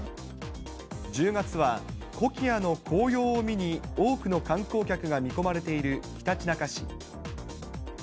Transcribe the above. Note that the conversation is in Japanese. １０月はコキアの紅葉を見に多くの観光客が見込まれているひたちなか市。